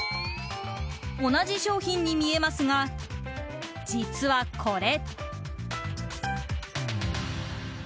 同じ商品に見えますが実はこれ。